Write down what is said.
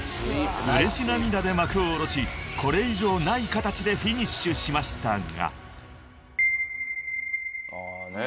［うれし涙で幕を下ろしこれ以上ない形でフィニッシュしましたが］